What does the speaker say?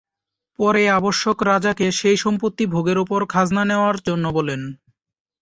পরে আবশ্যক রাজাকে সেই সম্পত্তি ভোগের উপর খাজনা নেওয়ার জন্য বলেন।